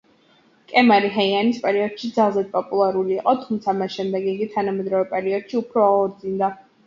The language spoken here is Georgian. კემარი ჰეიანის პერიოდში ძალზედ პოპულარული იყო, თუმცა მას შემდეგ იგი თანამედროვე პერიოდში უფრო აღორძინდა.